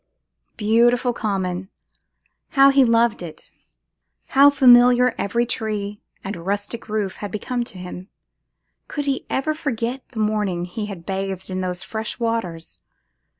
Beautiful common! how he loved it! How familiar every tree and rustic roof had become to him! Could he ever forget the morning he had bathed in those fresh waters!